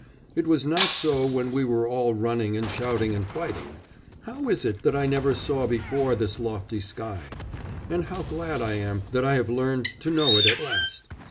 'It was not so when we were all running and shouting and fighting.... How is it that I never saw before this lofty sky? And how glad I am that I have learned to know it at last.